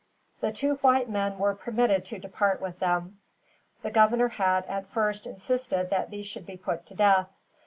The two white men were permitted to depart with them. The governor had, at first, insisted that these should be put to death.